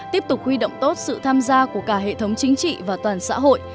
tiếp tục huy động tốt sự tham gia của cả hệ thống chính trị và toàn xã hội